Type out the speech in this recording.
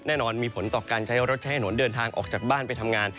แน่นอนมีผลต่อการใช้รถใช้ถนนเดินทางออกจากบ้านไปทำงาน